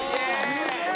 すげえ！